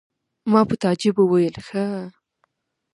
ما په تعجب وویل: ښه!